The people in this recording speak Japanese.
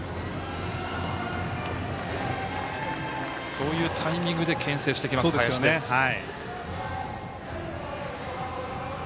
そういうタイミングでけん制をしてきます、林です。